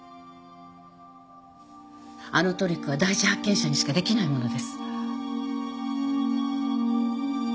あのトリックは第一発見者にしかできないものです。